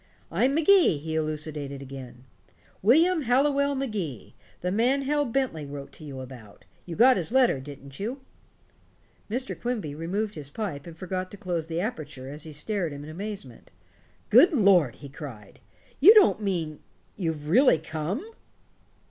"I'm Magee," he elucidated again, "William Hallowell Magee, the man Hal Bentley wrote to you about. You got his letter, didn't you?" Mr. Quimby removed his pipe and forgot to close the aperture as he stared in amazement. "Good lord!" he cried, "you don't mean you've really come."